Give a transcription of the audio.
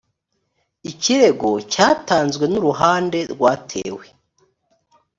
ikirego cyatanzwe n’uruhande rwatewe